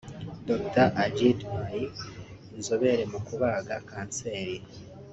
Dr Ajit Pai inzobere mu kubaga Kanseri